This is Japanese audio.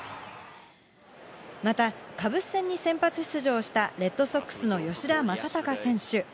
また、カブス戦に先発出場したレッドソックスの吉田正尚選手。